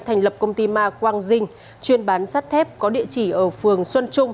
thành lập công ty ma quang dinh chuyên bán sắt thép có địa chỉ ở phường xuân trung